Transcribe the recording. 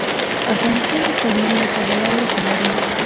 افغانستان د ښارونو له پلوه اړیکې لري.